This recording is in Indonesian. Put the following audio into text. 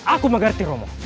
aku mengerti romo